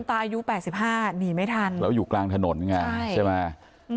อายุ๘๕หนีไม่ทันแล้วอยู่กลางถนนไงใช่ไหม